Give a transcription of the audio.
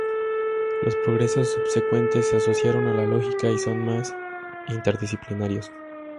Los progresos subsecuentes se asociaron a la lógica y son más interdisciplinarios.